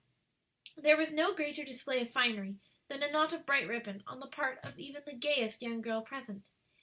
There was no greater display of finery than a knot of bright ribbon, on the part of even the gayest young girl present.